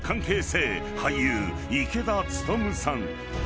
［俳優池田努さん］